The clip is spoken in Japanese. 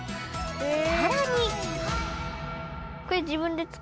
さらに。